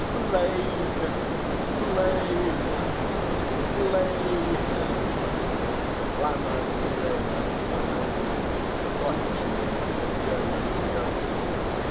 "Flay him! flay him! flay him!" clamoured Elena Ivanovna, clutching at the German's coat.